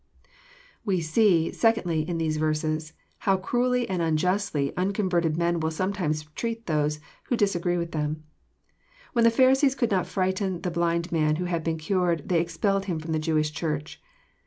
We see, secondly, in these verses, how cruelly and unjustly l| jinconverted men wiU sometimes treat those who disagree with J khem. When the Pharisees could not frighten the blind man who had been cured, they expelled him from the Jewish Church.